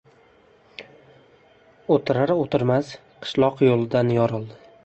O‘tirar-o‘tirmas, qishloq yo‘lidan yorildi.